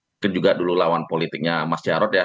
mungkin juga dulu lawan politiknya mas jarod ya